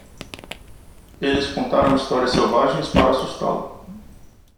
Eles contaram histórias selvagens para assustá-lo.